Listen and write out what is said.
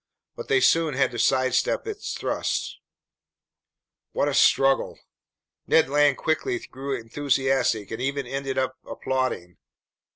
But they soon had to sidestep its thrusts. What a struggle! Ned Land quickly grew enthusiastic and even ended up applauding.